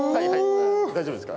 大丈夫ですか？